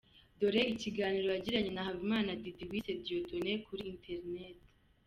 Dore ikiganiro yagiranye na Habimana Diddy Wise Dieudonné kuri internet.